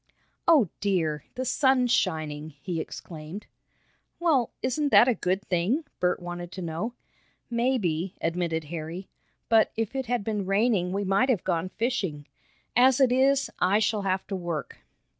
"Oh, dear! The sun's shining!" he exclaimed. "Well, isn't that a good thing?" Bert wanted to know. "Maybe," admitted Harry. "But if it had been raining we might have gone fishing. As it is, I shall have to work."